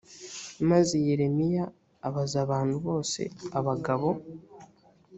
maze yeremiya abaza abantu bose abagabo